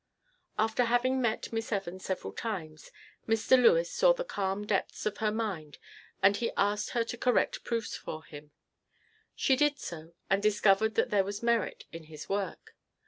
After having met Miss Evans several times, Mr. Lewes saw the calm depths of her mind and he asked her to correct proofs for him. She did so and discovered that there was merit in his work.